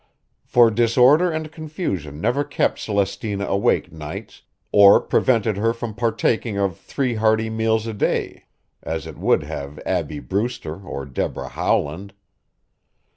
For disorder and confusion never kept Celestina awake nights or prevented her from partaking of three hearty meals a day as it would have Abbie Brewster or Deborah Howland.